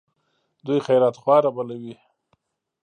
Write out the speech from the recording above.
دوی خیرات خواره بلوي.